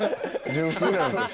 純粋なんですよ。